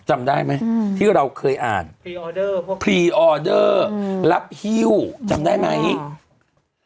จำได้ไหมอืมที่เราเคยอ่านพรีออเดอร์พรีออเดอร์รับฮิ้วจำได้ไหม